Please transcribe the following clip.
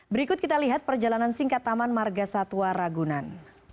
berikut kita lihat perjalanan singkat taman marga satwa ragunan